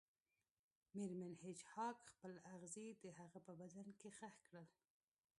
میرمن هیج هاګ خپل اغزي د هغه په بدن کې ښخ کړل